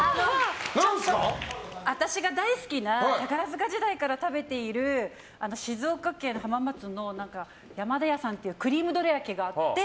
私が大好きな宝塚時代から食べている静岡県浜松の山田屋さんっていうクリームどら焼きがあって。